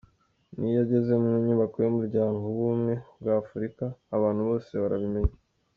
N’iyo ageze mu nyubako y’Umuryango w’Ubumwe bwa Afurika abantu bose barabimenya.